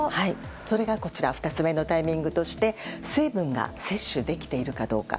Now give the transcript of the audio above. それが２つ目のタイミングとして水分が摂取できているかどうか。